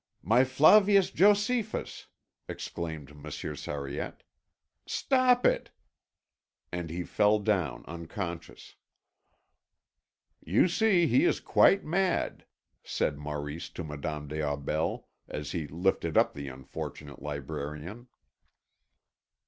"My Flavius Josephus," exclaimed Monsieur Sariette. "Stop it!" And he fell down unconscious. "You see he is quite mad," said Maurice to Madame des Aubels, as he lifted up the unfortunate librarian.